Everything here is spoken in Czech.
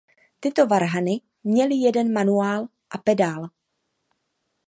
Tyto varhany měly jeden manuál a pedál.